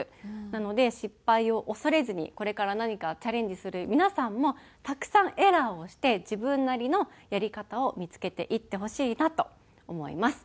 なので失敗を恐れずにこれから何かチャレンジする皆さんもたくさんエラーをして自分なりのやり方を見付けていってほしいなと思います。